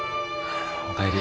お帰り。